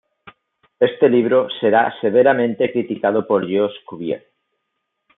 Este libro será severamente criticado por Georges Cuvier.